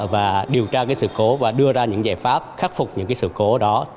và điều tra cái sự cố và đưa ra những giải pháp khắc phục những cái sự cố đó